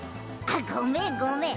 あっごめんごめん。